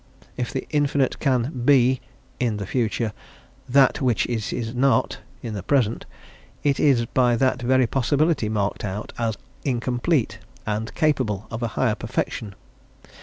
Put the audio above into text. If the infinite can be" (in the future) "that which it is not" (in the present) "it is by that very possibility marked out as incomplete and capable of a higher perfection.